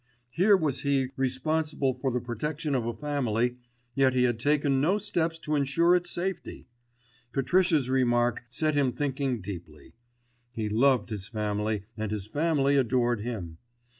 Here was he responsible for the protection of a family, yet he had taken no steps to ensure its safety. Patricia's remark set him thinking deeply. He loved his family, and his family adored him.